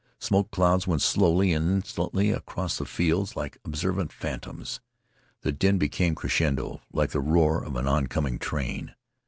Smoke clouds went slowly and insolently across the fields like observant phantoms. The din became crescendo, like the roar of an oncoming train.